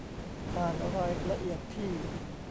อ่านรายละเอียดที่